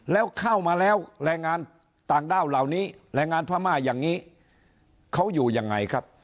แล้วเข้ามาแล้วแรงงานต่างด้าวเหล่านี้แรงงานพม่าอย่างนี้เขาอยู่ยังไงครับ